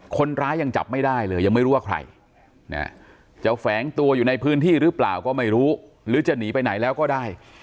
คนร้ายยังจับไม่ได้เลยยังไม่รู้ว่าใครจะแฝงตัวอยู่ในพื้นที่หรือเปล่าก็ไม่รู้หรือจะหนีไปไหนแล้วก็ได้